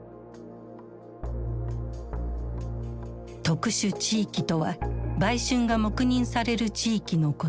特殊地域とは売春が黙認される地域のこと。